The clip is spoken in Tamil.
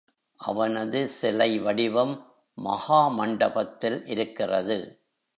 அவனது சிலைவடிவம் மகா மண்டபத்தில் இருக்கிறது.